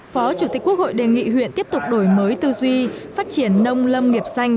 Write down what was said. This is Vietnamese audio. phó chủ tịch quốc hội đề nghị huyện tiếp tục đổi mới tư duy phát triển nông lâm nghiệp xanh